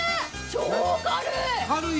超軽い！